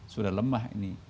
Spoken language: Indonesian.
sudah lemah ini